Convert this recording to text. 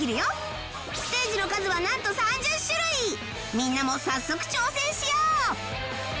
みんなも早速挑戦しよう！